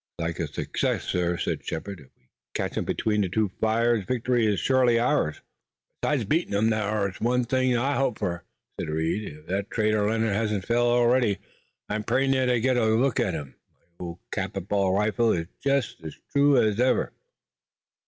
"It looks like a success, sir," said Shepard. "If we catch 'em between two fires victory is surely ours." "Besides beatin' 'em, thar's one thing I hope fur," said Reed. "Ef that traitor Leonard hasn't fell already I'm prayin' that I git a look at him. My old cap an' ball rifle here is jest ez true ez ever."